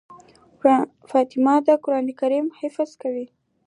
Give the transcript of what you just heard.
فاطمه د قرآن کريم حفظ کوي.